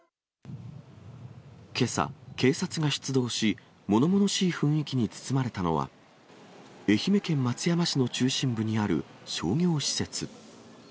けさ、警察が出動し、ものものしい雰囲気に包まれたのは、愛媛県松山市の中心部にある商業施設。